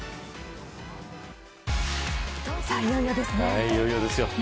さあ、いよいよですね。